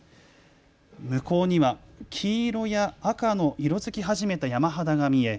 向こうには黄色や赤の色づき始めた山肌が見え